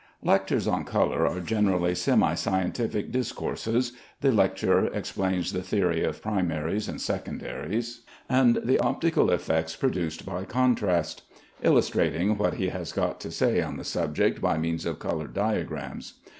Lectures on color are generally semi scientific discourses. The lecturer explains the theory of primaries and secondaries, and the optical effects produced by contrast, illustrating what he has got to say on the subject by means of colored diagrams.